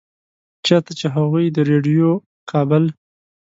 چرته چې هغوي د ريډيؤ کابل